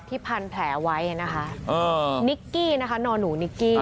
พันแผลไว้นะคะนิกกี้นะคะนอนหนูนิกกี้